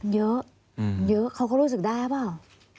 เยอะเยอะเขาก็รู้สึกได้หรือเปล่า